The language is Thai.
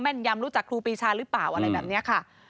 นยำรู้จักครูปีชาหรือเปล่าอะไรแบบนี้ค่ะ